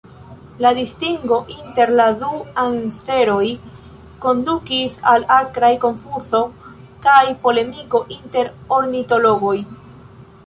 La distingo inter la du anseroj kondukis al akraj konfuzo kaj polemiko inter ornitologoj.